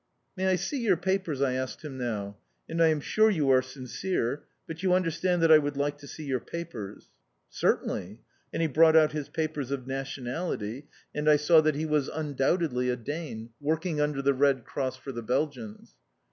"May I see your papers?" I asked him now. "I am sure you are sincere. But you understand that I would like to see your papers." "Certainly!" And he brought out his papers of nationality and I saw that he was undoubtedly a Dane, working under the Red Cross for the Belgians.